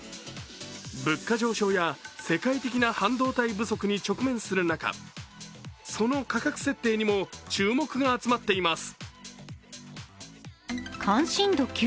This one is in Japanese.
物価上昇や世界的な半導体不足に直面する中、その価格設定にも注目が集まっています。